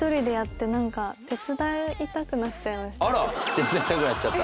手伝いたくなっちゃった？